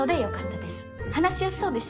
話しやすそうですし。